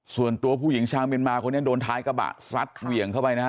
ส่วนตัวผู้หญิงชาวเมียนมาคนนี้โดนท้ายกระบะซัดเหวี่ยงเข้าไปนะฮะ